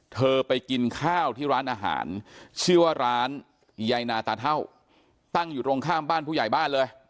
เธอไปกินข้าวที่ร้านอาหารชื่อว่าร้านยายนาตาเท่าตั้งอยู่ตรงข้ามบ้านผู้ใหญ่บ้านเลย